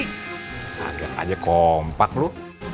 kaget aja kompak lu